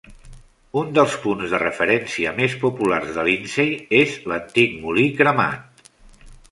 Un dels punts de referència més populars de Lindsay és l'antic molí cremat.